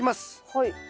はい。